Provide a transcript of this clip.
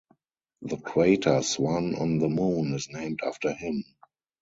The crater Swann on the Moon is named after him.